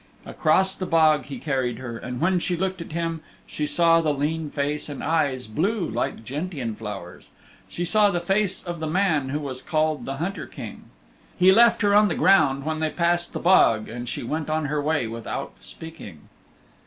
Across the bog he carried her, and when she looked at him she saw the lean face and eyes blue like gentian flowers she saw the face of the man who was called the Hunter King. He left her on the ground when they passed the bog, and she went on her way without speaking.